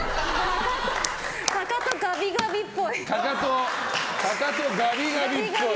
かかとガビガビっぽい。